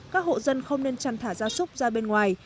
các hộ dân không nên chăn thả ra súc ra bên ngoài